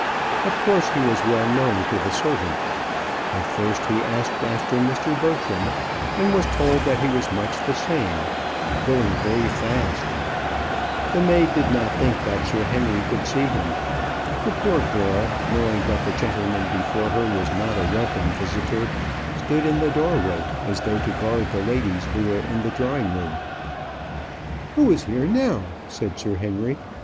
Of course he was well known to the servant. At first he asked after Mr. Bertram, and was told that he was much the same going very fast; the maid did not think that Sir Henry could see him. The poor girl, knowing that the gentleman before her was not a welcome visitor, stood in the doorway, as though to guard the ladies who were in the drawing room. "Who is here now?" said Sir Henry.